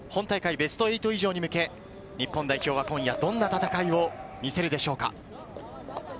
ベスト８以上に向け、日本代表は今夜どんな戦いを見せるでしょうか。